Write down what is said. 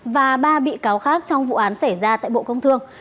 và ba bị cáo khác trong vụ án xảy ra tại bộ công thương